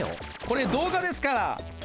これ動画ですから。